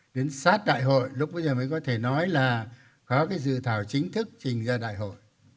đến sát đại hội lúc bây giờ mới có thể nói là có cái dự thảo chính thức trình ra đại hội